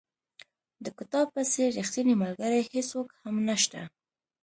د کتاب په څېر ریښتینی ملګری هېڅوک هم نشته.